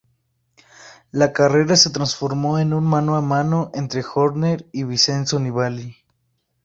La carrera se transformó en un mano a mano entre Horner y Vincenzo Nibali.